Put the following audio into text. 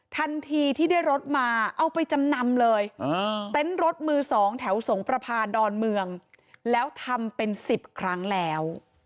ทันทีที่ได้รถมาเอาไปจำนำเลยเต็นต์รถมือ๒แถวสงประพาดอนเมืองแล้วทำเป็น๑๐ครั้งแล้ว